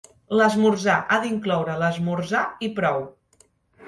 L'esmorzar ha d'incloure l'esmorzar i prou.